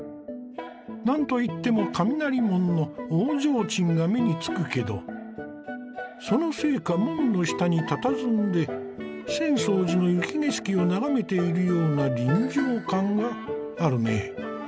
何といっても雷門の大提灯が目につくけどそのせいか門の下にたたずんで浅草寺の雪景色を眺めているような臨場感があるね。